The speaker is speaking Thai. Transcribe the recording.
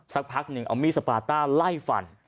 สักพักหนึ่งเอามีดสปาต้าไล่ฟัน